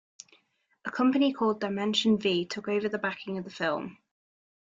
A company called Dimension V took over backing of the film.